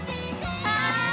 はい！